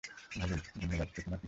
ভালোই ধন্যবাদ তো তোমার কি খবর?